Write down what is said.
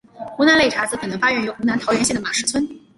湖南擂茶则可能发源于湖南桃源县马石村。